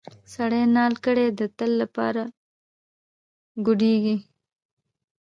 سړی نال کړې د تل لپاره ګوډیږي.